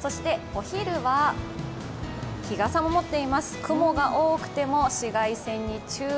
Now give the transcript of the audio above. そしてお昼は日傘も持っています、雲が多くても紫外線に注意。